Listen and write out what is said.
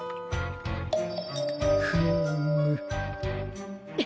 フーム。